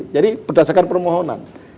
jadi berdasarkan permohonan